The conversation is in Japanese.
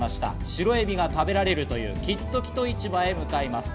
白エビが食べられるというきっときと市場へ向かいます。